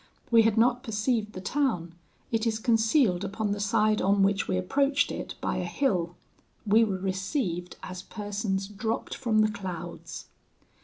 We had not perceived the town: it is concealed upon the side on which we approached it by a hill. We were received as persons dropped from the clouds.